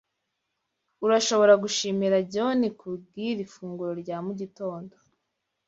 Urashobora gushimira jyoni kubwiri funguro rya mugitondo